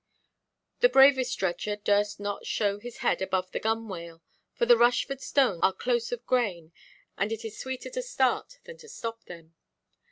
The bravest dredger durst not show his head above the gunwale; for the Rushford stones are close of grain, and it is sweeter to start than to stop them.